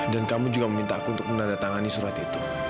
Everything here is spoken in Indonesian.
dan kamu juga meminta aku untuk menandatangani surat itu